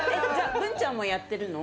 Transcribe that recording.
ブンちゃんもやってるの？